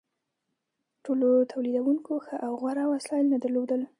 ټولو تولیدونکو ښه او غوره وسایل نه درلودل.